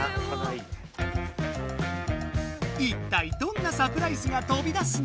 いったいどんなサプライズがとび出すのか？